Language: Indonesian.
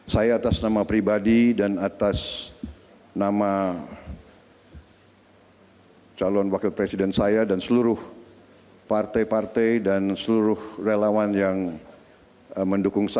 saya atas nama pribadi dan atas nama calon wakil presiden saya dan seluruh partai partai dan seluruh relawan yang mendukung saya